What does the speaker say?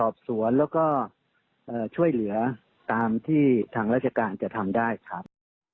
สอบสวนแล้วก็ช่วยเหลือตามที่ทางราชการจะทำได้ครับ